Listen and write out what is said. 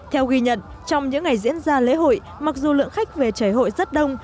theo ghi nhận trong những ngày diễn ra lễ hội mặc dù lượng khách về chảy hội rất đông